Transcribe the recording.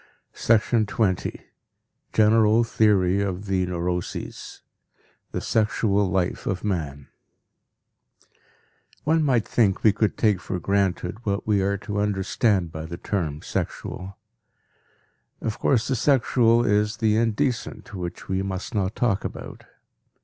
TWENTIETH LECTURE GENERAL THEORY OF THE NEUROSES The Sexual Life of Man One might think we could take for granted what we are to understand by the term "sexual." Of course, the sexual is the indecent, which we must not talk about.